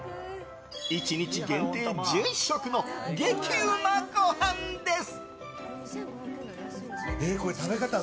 １日限定１０食の激うまご飯です。